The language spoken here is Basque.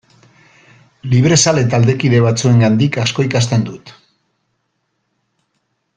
Librezale taldekide batzuengandik asko ikasten dut.